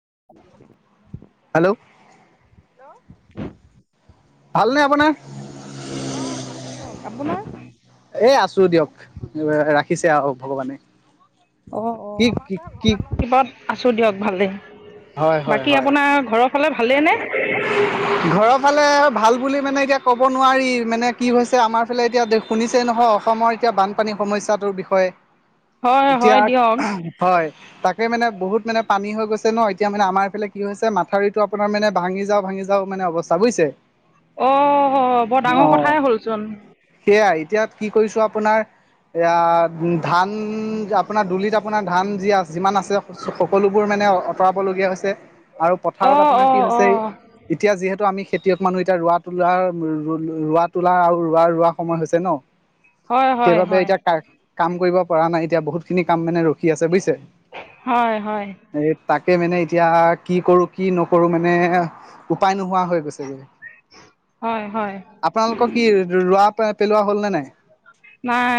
[unintelligible] Hello hello ভালনে আপোনাৰ? অ ভালে কওক, আপোনাৰ? এ আছো দিয়ক ৰাখিছে আৰু ভগৱানে। অ অ কি আমাৰো কি বাৰু কি ভগৱানৰ কৃপাত আছো দিয়ক হয় ভালেই। হয় বাকী হয় আপোনাৰ ঘৰৰ ফালে ভালেই নে? ঘৰৰ ফালে ভাল বুলি মানে এতিয়া ক'ব নোৱাৰি মানে কি হৈছে আমাৰ ফালে এতিয়া শুনিছেই নহয় অসমৰ এটিয়া বান পানী সমস্যাটোৰ বিষয়ে হয় এতিয়া হয় দিয়ক হয় তাকে মানে বহুত মানে পানী হৈ গৈছে ন এতিয়া মানে আমাৰ এইফালে কি হৈছে মাঠাউৰিটো আপোনাৰ মানে ভাঙি যাওঁ ভাঙি যাওঁ মানে অৱস্থা বুইছে। অ বৰ ডাঙৰ কথাই হ'লচোন। সেয়াই এতিয়া ইয়াত কি কৰিছো আপোনাৰ এয়া ধান আপোনাৰ দুলিত আপোনাৰ ধান যি যিমান আছে সকলোবোৰ মানে আতৰাবলগীয়া হৈছে আৰু অ পথাৰত অ আপোনাৰ কি অ হৈছে এতিয়া যিহেতু আমি খেতিয়ক মানুহ এতিয়া ৰোৱা তোলা ৰোৱা তোলা আৰু ৰোৱা ৰোৱা সময় হৈছে ন। হয় হয় সেইবাবে হয় এতিয়া কাম কৰিব পৰা নাই এতিয়া বহুতখিনি কাম মানে ৰখ ৰখি আছে বুইছে হয় হয় এই তাকে মানে এতিয়া কি কৰোঁ, কি নকৰোঁ মানে উপায় নোহোৱা হৈ গৈছে গে। হয় হয় আপোনালোকৰ কি ৰোৱা পেলোৱা হ'ল নে নাই? নাই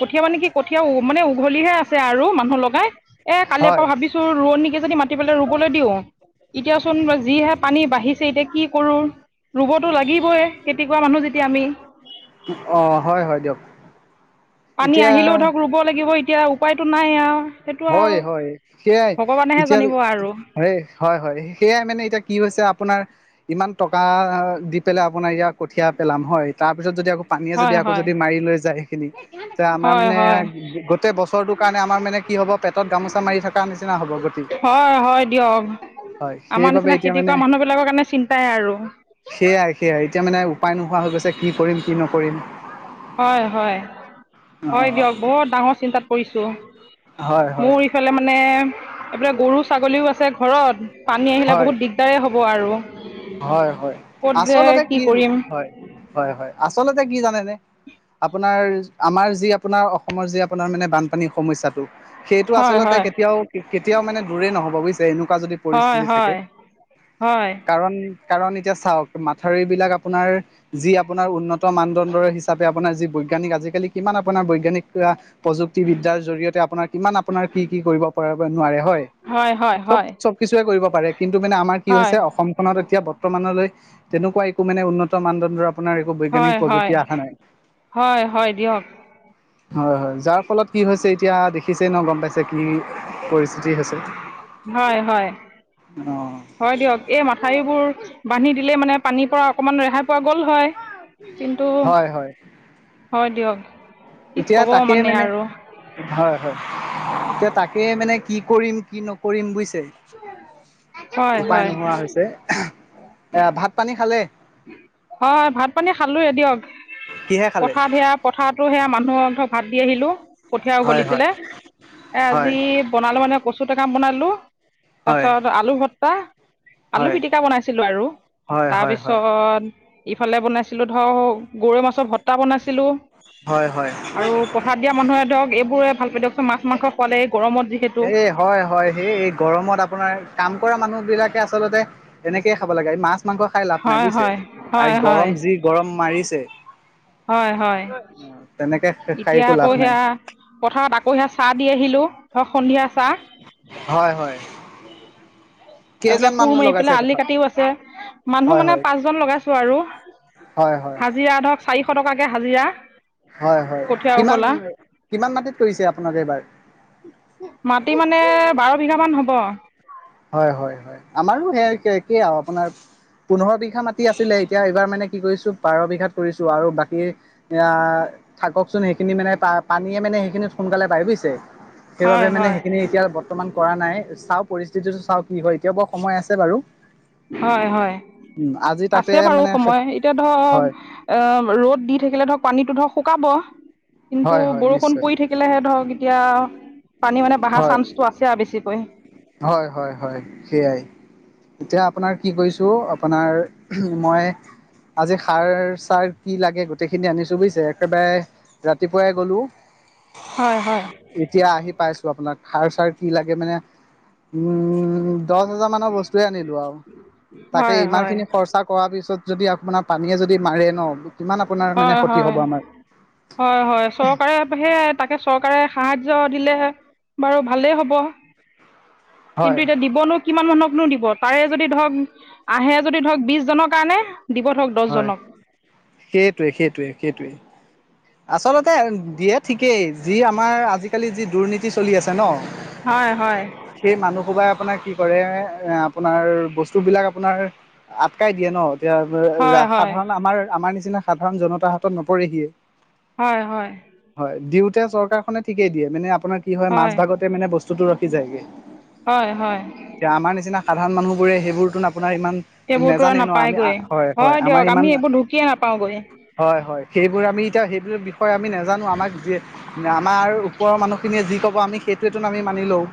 কঠীয়া মানে কি কঠীয়া মানে উঘলিহে আছে আৰু মানুহ লগাই। এ কালিৰ হয় পৰা ভাবিছো ৰোৱনী কেইজনী মাতি পেলাই ৰুবলৈ দিওঁ। এতিয়া চোন যিহে পানী বাঢ়িছে এতিয়া কি কৰোঁ ৰুবতো লাগিবয়েই খেতি কৰা মানুহ যেতিয়া আমি। অঁ! হয়-হয় দিয়ক। পানী এতিয়া আহিলেও ধৰক ৰুব লাগিব এতিয়া উপায়টো নাই আৰু। সেইটো আৰু হয়-হয় সেয়াই ভগৱানেহে এতিয়া জানিব [unintelligible] আৰু এই হয়-হয় সেয়াই মানে এতিয়া কি হৈছে আপোনাৰ ইমান টকা দি পেলাই আপোনাৰ ইয়াত কঠিয়া পেলাম হয় তাৰপিছত যদি আকৌ পানীয়ে হয় যদি আকৌ হয় যদি মাৰি লৈ যায় সেইখিনি। এতিয়া আমাৰ হয় মানে হয় গোটেই বছৰটো কাৰণে আমাৰ মানে কি হ'ব পেটত গামোচা মাৰি থকা নিচিনা হ'ব গতি। হয়-হয়, দিয়ক। হয় আমাৰ সেইবাবে নিচিনা খেতি কৰা মানুহ বিলাকৰ কাৰণে চিন্তাই আৰু। সেয়াই-সেয়াই এতিয়া মানে উপায় নোহোৱা হৈ গৈছে কি কৰিম, কি নকৰিম। হয়-হয়। অ হয় দিয়ক বহুত ডাঙৰ চিন্তাত পৰিছোঁ। হয় হয় মোৰ এইফালে মানে এইফালে গৰু, ছাগলীও আছে ঘৰত পানী আহিলে বহুত দিগদাৰে হ'ব আৰু। হয়-হয়, ক'ত যে আচলতে কি কৰিম হয়-হয়-হয় আচলতে কি জানে নে আপোনাৰ আমাৰ যি আপোনাৰ অসমৰ যি আপোনাৰ মানে বানপানীৰ সমস্যা টো সেইটো হয় আচলতে হয় কেতিয়াও-কেতিয়াও মানে দূৰেই নহ'ব বুজিছে এনেকুৱা যদি হয়-হয়, হয়। কাৰণ-কাৰণ এতিয়া চাওক মাথাউৰিবিলাক আপোনাৰ যি আপোনাৰ উন্নত মানদণ্ডৰ হিচাপে আপোনাৰ যি বৈজ্ঞানিক আজিকালি কিমান আপোনাৰ বৈজ্ঞানিক পুৰা প্ৰযুক্তিবিদ্যাৰ জৰিয়তে আপোনাৰ কিমান আপোনাৰ কি-কি কৰিব পাৰে নোৱাৰে হয় হয় হয় চব-চব চব কিছুুৱে কৰিব পাৰে কিন্তু মানে আমাৰ কি হয় হৈছে অসম খনত এতিয়া বৰ্তমানলৈ তেনেকুৱা একো মানে উন্নত মানদণ্ডৰ আপোনাৰ বৈজ্ঞানিক হয় হয় প্ৰযুক্তি আহা নাই। হয় হয় দিয়ক হয়-হয়, যাৰ ফলত কি হৈছে এতিয়া দেখিছেই নহ গম পাইছে কি পৰিস্থিতি হৈছে? হয়-হয়। অঁ হয় দিয়ক এই মাথাউৰিবোৰ বান্ধি দিলেই মানে পানীৰ পৰা অকমান ৰেহাই পোৱা গ'ল হয়। কিন্তু হয় হয় হয় দিয়ক কি কব মানে আৰু। হয়-হয়। এতিয়া তাকে মানে কি কৰিম, কি নকৰিম বুজিছে। হয় উপায় হয় নোহোৱা হৈছে। [unintelligible] এ ভাত পানী খালে? হয় ভাত, পানী খালোৱেই দিয়ক। কিহে খালে পথাৰত সেয়া পথাৰটো সেয়া মানুহৰ ধৰক ভাত দি আহিলোঁ, কঠীয়া হয় হয় উঘলিছিলে। এ হয় আজি বনালো মানে কচু টেঙা বনালো। হয় তাৰপিছত আলু ভত্তা, আলু হয় পিটিকা বনাইছিলো আৰু হয় হয় হয় তাৰপিছত তাৰপিছত ইফালে বনাইছিলো ধৰক গৰৈ মাছৰ ভ্ত্তা বনাইছিলো। হয়-হয়। পথাৰ দিয়া মানুহে ধৰক এইবোৰেই ভাল পায় দিয়ক চোন। মাছ, মাংস খোৱালে এই গৰমত যিহেতু হয়-হয়, সেই এই গৰমত আপোনাৰ কৰা মানুহ বিলাকে আচলতে এনেকেই খাব লাগে। এই মাছ মাছ, মাংস খাই লাভ নাই হয় বুইছে হয় আৰ হয় গৰম হয় যি গৰম মাৰিছে হয়-হয় অ তেনেকে এতিয়া সাৰিকো আকৌ লাভ নাই হেয়া পথাৰত আকৌ হেয়া চাহ দি আহিলোঁ ধৰক সন্ধিয়া চাহ হয়, হয়। এইফালে কেইজন কোৰ মানুহ মাৰি লগাইছে পেলাই আলি পথাৰত কাটিও আছে মানুহ হয় মানে হয় পাঁচজন লগাইছো আৰু হয়, হয়। হাজিৰা ধৰক চাৰিশ টকাকে হাজিৰা। হয়-হয় কঠীয়া উঘলা কিমান-কিমান মাটিত কৰিছে আপো [unintelligible] এইবাৰ মাটি মানে বাৰ বিঘা মান হ'ব হয়-হয়-হয় আমাৰো সেই একে-একে আৰু আপোনাৰ পোন্ধৰ বিঘ বিঘা মাতি আছিলে এতিয়া এইবাৰ মানে কি কৰিছো পাৰ বিঘাত কৰিছো আৰু বাকী এয়া থাককচোন সেইখিনি মানে পা-পানীয়ে মানে সেইখিনি সোনকালে পায় বুজিছে? সেইবাবে হয় মানে হয় সেইখিনি এতিয়া বৰ্তমান কৰা নাই চাও পৰিস্থিতিটো চাও কি হয় এতিয়া ব সময় আছে বাৰু হয়-হয় উম আজি তাতে আছে বাৰু মানে সময় এতিয়া ধৰ হয় অ' ৰ'দ দি থাকিলে ধৰক পানীটো ধৰক শুকাব কিন্তু হয় হয় বৰষুণ নিশ্চয় পৰি থাকিলেহে ধৰক এত এতিয়া পানী মানে বাহা হয় চাঞ্চটো আছে আ বেছিকৈ হয়, হয়, হয়, সেয়াই। এতিয়া আপোনাৰ কি কৰিছোঁ আপোনাৰ মই আজি সাৰ চাৰ কি লাগে গোটেইখিনি আনিছো বুইছে একেবাৰে ৰাতিপুৱাই গ'লোঁ হয়, হয়। এতিয়া আহি পাইছো আপোনাক সাৰ চাৰ কি লাগে মানে উম, দছ হাজাৰ মানৰ বস্তুয়ে আনিলোঁ আৰু তাকে হয় ইমান হয় খিনি খৰচা কৰা পিছত যদি আপোনাৰ পানীয়ে যদি মাৰে ন' কিমান আপোনাৰ মানে অয় ক্ষতি হয়। হ'ব আমাৰ হয়-হয় চৰকাৰে সেয়া তাকে চৰকাৰে সাহাৰ্য দিলেহে বাৰু ভালেই হ'ব কিন্তু হয় এতিয়া দিবনো কিমান মানুহকনো দিব তাৰে যদি ধৰক আহে যদি ধৰক বিছজনৰ কাৰণে দিব ধৰক হয় দহজনক সেইটোৱে, সেইটোৱে, সেইটোৱে। আচলতে দিয়ে ঠিকেই যি আমাৰ আজিকালি যি দুৰ্নীতি চলি আছে ন' হয়-হয়। সেই মানুহসোবাই আপোনাৰ কি কৰে এ আপোনাৰ বস্তু বিলাক আপোনাৰ আটকাই দিয়ে ন' এতিয়া ৰা হয় হয় সাধাৰণ আমাৰ, আমাৰ নিচিনা সাধাৰণ জনতা হাতত নপৰেহি হয়, হয়। হয়, দিওঁতে চৰকাৰখনে ঠিকেই দিয়ে মানে আপোনাৰ কি হয় মাজ ভাগতে মানে বস্তুটো ৰখি যায়গে হয়-হয়। এতিয়া আমাৰ নিচিনা সাধাৰণ মানুহ বোৰে সেইবোৰ তোন আপোনাৰ ইমান সেইবোৰতো আৰু নেজানে ন' আমি আ নাপায়গৈ হয় হয় দিয়ক আমি এইবোৰ ঢুকিয়ে নাপাওঁগৈ। হয়-হয় সেইবোৰ আমি এতিয়া সেইটোৰ বিষয়ে আমি নাজানো আমাক যিয়ে আমাৰ ওপৰৰ মানুহখিনিয়ে ক'ব আমি সেইটোৱেটো টোন আমি মানি লওঁ।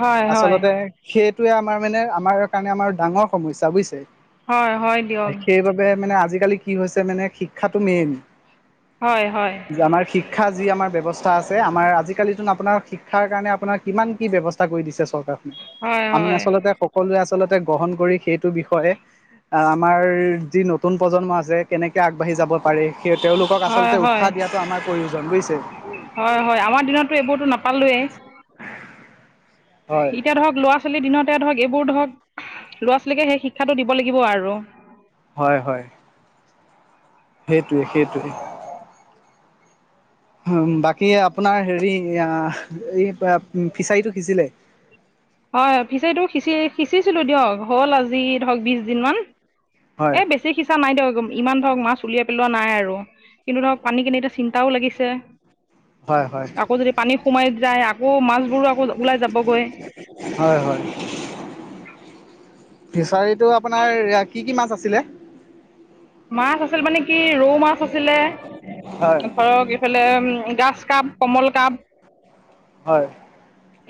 হয় হয় আচলতে সেইটোয়ে আমাৰ মানে আমাৰ কাৰণে আমাৰ ডাঙৰ সমস্যা বুইছে? হয়-হয় এ সেইবাবে মানে আজিকালি কি হৈছে মানে শিক্ষাটো মেইন হয়-হয়। যে আমাৰ শিক্ষা যি আমাৰ বব্যৱস্থা আছে আমাৰ আজিকালি যোন আপোনাৰ শিক্ষাৰ কাৰণে আপোনাৰ কিমান কি ব্যৱস্থা স্থা কৰি দিছে চৰকাৰখনে হয় আমি হয় আচলতে সকলোৱে আচলতে গ্ৰহণ কৰি সেইটো বিষয়ে আমাৰ যি নতুন নতুন প্ৰজন্ম আছে কেনেকে আগবাঢ়ি যাব পাৰে সেই তেওঁলোকক হয় আচলতে হয় উৎসাহ দিয়াটো আমাৰ প্ৰয়োজন বুইছে। হয়, হয়। আমাৰ দিনতটো এইবোৰটো নাপালোৱেই। হয়, এতিয়া ধৰক ল'ৰা-ছোৱালীৰ দিনতে ধৰক এইবোৰ ধৰক ল'ৰা-ছোৱালীকে সেই শিক্ষাটো দিব লাগিব আৰু। হয় হয়। সেইটোৱে সেইটোৱে। বাকী আপোনাৰ হেৰি এই ফিচাৰীটো সিছিলে? হয়, ফিচাইটো সিঁচি সিঁচিছিলো দিয়ক হ'ল আজি ধৰক বিশ দিন মান এ হয়, বেছি সিচা নাই দিয়ক ইমান ধৰক মাছ উলিয়াই পেলোৱা নাই আৰু। কিন্তু ধৰক পানী খিনি এতিয়া চিন্তাও লাগিছে। হয়, হয়, আকৌ যদি পানী সোমাই যায়, আকৌ মাছবোৰো আকৌ ওলাই যাবগৈ। হয় হয়। ফিচাৰীটো আপোনাৰ কি কি মাছ আছিলে? মাছ আছিল মানে কি ৰৌ মাছ আছিলে হয় ধৰক এইফালে গাজকাপ, কমল কাপ হয়।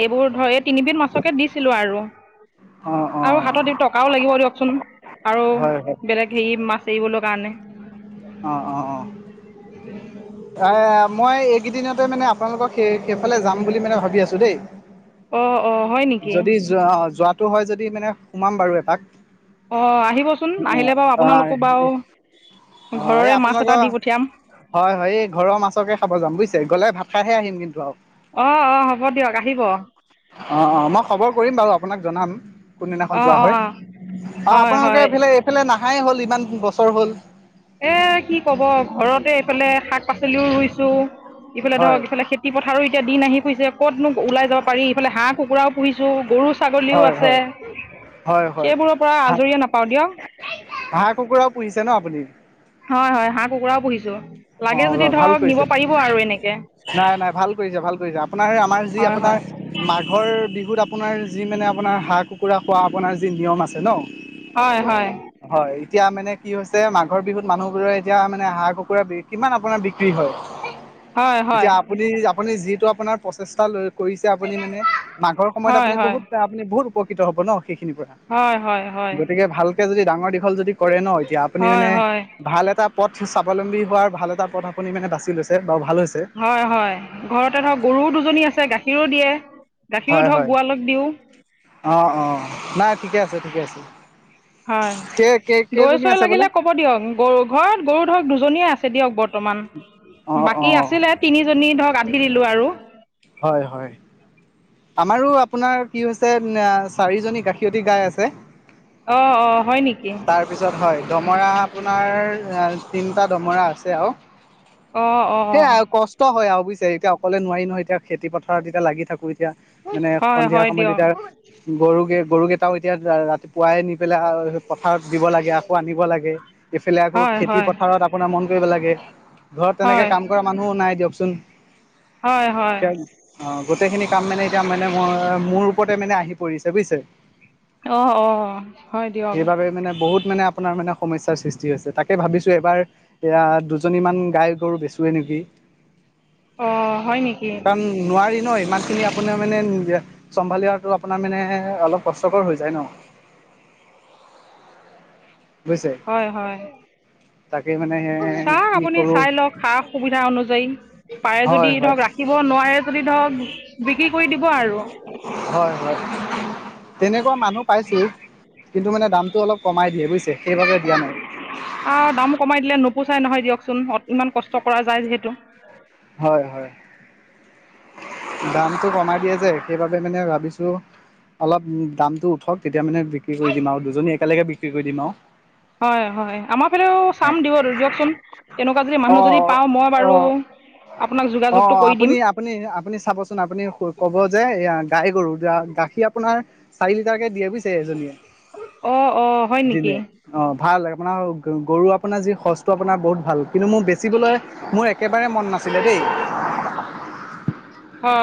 এইবোৰ ধৰ এই তিনিবধ মাছকে দিছিলো আৰু। অঁ আৰু অঁ হাতত টকাও লাগিব দিয়কচোন, আৰু হয় হয় বেলেগ হেৰি মাছ এৰিবলে কাৰণে। অ অ অ। এ মই এইগিদিনতে মানে আপোনালোকৰ সে সেইফালে যাম বুলি মানে ভাবি আছো দেই। অ অ হয় নিকি? যদি যোৱা যোৱাটো হয় যদি মানে সোমাম বাৰু এপাক। অঁ আহিবচোন অ আহিলে বাৰু আপোনালোকো বাৰু এই ঘৰৰে মাছ এটা আপোনালোকৰ দি পঠিয়াম হয় এই ঘৰৰ মাছকে খাব যাম বুইছে গ'লে ভাত খাইহে আহিম কিন্তু আও। অ অ হ'ব দিয়ক আহিব। অ অ মই কৰিম বাৰু আপোনাক জনাম কোনদিনাখন অঁ যোৱা হয়। আও হয় আপোনালোকে হয় এইফালে এইফালে নাহাই হ'ল ইমান বছৰ হ'ল। এ কি ক'ব ঘৰতে এইফালে শাক-পাচলিও ৰুইছো, ইফালে হয় ধৰক ইফালে খেতি পথাৰৰো এতিয়া দিন আহি পৰিছে ক'তনো ওলাই যাব পাৰি, ইফালে হাঁহ-কুকুৰাও পুহিছো গৰু ছাগলীও হয় আছে হয়। হয় হয় সেইবোৰৰ পৰা আজৰিয়ে নাপাওঁ দিয়ক। হাঁহ-কুকুৰাও পুহিছে ন আপুনি? হয়, হয় হাঁহ-কুকুৰাও পুহিছো অ লাগে যদি ভাল ধৰক কৰিছে নিব পাৰিব আৰু এনেকে। নাই নাই ভাল কৰিছো ভাল কৰিছে, আপোনাৰ আমাৰ যি হয় হয় আপোনাৰ মাঘৰ বিহুত আপ আপোনাৰ যি মানে আপোনাৰ হাঁহ-কুকুৰা খোৱাৰ আপোনাৰ যি নিয়ম আছে ন হয়, হয়। হয়। এতিয়া মানে কি হৈছে মাঘৰ বিহুত মানুহবোৰে এতিয়া মানে হাঁহ-কুকুৰাৰ বি কিমান আপোনাৰ বিক্ৰী হয়, হয় হয় এতিয়া আপুনি আপুনি যিটো আপোনাৰ প্ৰচেষ্টা লৈ কৰিছে আপুনি মানে মাঘৰ সময়ত হয় আপুনি হয় বহুত আপুনি বহুত উপকৃত হব ন সেইখিনিৰ পৰা। হয়, হয়, হয়। গতিকে ভালকে যদি ডাঙৰ-দীঘল যদি কৰে ন, এতিয়া আপুনি মানে হয় হয় ভাল এটা পথ স্বাৱলম্বী হোৱাৰ ভাল এটা পথ আপুনি মানে বাছি লৈছে, বাৰু ভাল হৈছে। হয়, হয় ঘৰতে অঁ ধৰক গৰুও দুজনী আছে গাখীৰো দিয়ে। গাখীৰো ধৰক গোৱালক দিওঁ। অ', অ', নাই ঠিকে আছে, ঠিকে আছে। কে-কেই কেইজনী আছে বোলে? হ'ব দিয়ক, গৰু ঘৰত গৰু ধৰক দুজনীয়ে আছে দিয়ক বৰ্তমান, অঁ বাকী অঁ আছিলে তিনিজনী ধৰক [unintelligible] দিলোঁ আৰু। হয়, হয়। আমাৰো আপোনাৰ কি হৈছে চাৰি জনী গাখীৰতি গাই আছে। অ', অ', হয় নেকি? তাৰপিছত হয়, দমৰা আপোনাৰ তিনটা দমৰা আছে আৰু। অঁ অঁ সেইয়া ক হয় আৰু বুজিছে, এতিয়া অকলে নোৱাৰি নহয় এতিয়া খেতি পথাৰত এতিয়া লাগি থাকো এতিয়া। মানে হয় সন্ধিয়া হয় সময়ত দিয়ক এতিয়া গৰুকে-গৰুকেইটাও এতিয়া ৰাতিপুৱাই নি পেলাই পথাৰত দিব লাগে, আকৌ আনিব লাগে। এইফালে আকৌ হয় খেতি হয় পথাৰত আপোনাৰ মন কৰিব লাগে। ঘৰত তেনেকে হয় কাম কৰা মানুহো নাই দিয়কচোন হয় হয় [unintelligible] অ', গোটেইখিনি কাম মানে এতিয়া মানে মো-মোৰ ওপৰতে মানে আহি পৰিছে বুজিছে। অঁ অঁ হয় দিয়ক সেইবাবে মানে বহুত মানে আপোনাৰ মানে সমস্যাৰ সৃষ্টি হৈছে, তাকে ভাবিছো এইবাৰ এইয়া দুজনী মান গাই গৰু বেছোয়ে নেকি? অ', হয় নেকি? [unintelligible] নোৱাৰি ন' ইমান খিনি আপোনাৰ মানে নিজে চম্ভালি অহাটো আপোনাৰ মানে অলপ কষ্টকৰ হৈ যায় নহ। বুজিছে হয়, হয়, তাকে মানে চাওঁক কি আপুনি কৰো চাই লওঁক সা সুবিধা অনুযায়ী, পাৰে হয় যদি হয় ধৰক ৰাখিব নোৱাৰে যদি ধৰক বিক্ৰী কৰি দিব আৰু। হয়, হয়, তেনেকুৱা মানুহ পাইছো। কিন্তু মানে দামটো অলপ কমাই দিয়ে বুইছে, সেইবাবে দিয়া নাই। [unintelligible] দাম কমাই দিলে নোপোচাই নহয় দিয়কচোন, ইমান কষ্ট কৰা যায় যিহেতু। হয়, হয়। দামটো কমাই দিয়ে যে, সেইবাবে মানে ভাবিছো অলপ দামটো উঠক তেতিয়া মানে বিক্ৰী কৰি দিম আৰু, দুজনী একেলগে বিক্ৰী কৰি দিম আৰু। হয়, হয়, আমাৰ ফালেও চাম দিয়কচোন। এনেকুৱা যদি অ মানুহ যদি পাওঁ মই বাৰু আপোনাক অ', যোগাযোগটো অ', কৰি দিম আপুনি আপুনি-আপুনি চাবচোন, আপুনি ক'ব যে এ গাই গৰু গাখীৰ আপোনাৰ চাৰি লিটাৰকে দিয়ে বুইছে এজনীয়ে অঁ অঁ হয় নেকি দিনে। অ', ভাল আপোনাৰ গৰু আপোনাৰ যি সঁচটো আপোনাৰ বহুত ভাল, কিন্তু মোৰ বেচিবলৈ একেবাৰে মন নাছিলে দেই। অ'।